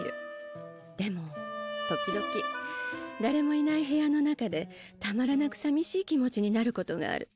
でも時々だれもいない部屋の中でたまらなくさみしい気持ちになることがある。